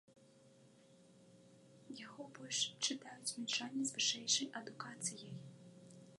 Яго больш чытаюць мінчане з вышэйшай адукацыяй.